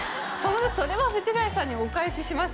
それは藤ヶ谷さんにお返しします